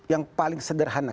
yang paling sederhana